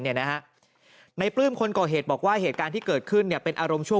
เนี่ยนะฮะในปรื่นคนก่อเหตุบอกว่าเหตุการณ์ที่เกิดขึ้นเนี่ยเป็นอารมณ์ชั่ว